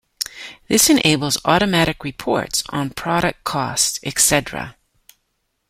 This enables automatic reports on product costs, etc.